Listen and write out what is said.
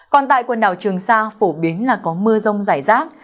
còn tại quần đảo trường sa phổ biến là có mưa rông rải rác